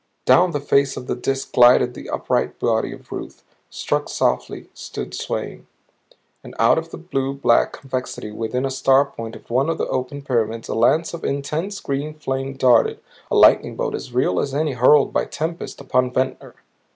Down the face of the Disk glided the upright body of Ruth, struck softly, stood swaying. And out of the blue black convexity within a star point of one of the opened pyramids a lance of intense green flame darted, a lightning bolt as real as any hurled by tempest, upon Ventnor.